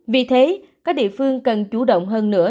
vì thế các địa phương cần chủ động hơn nữa